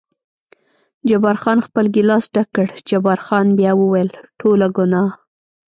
جبار خان خپل ګیلاس ډک کړ، جبار خان بیا وویل: ټوله ګناه.